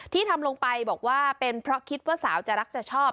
ทำลงไปบอกว่าเป็นเพราะคิดว่าสาวจะรักจะชอบ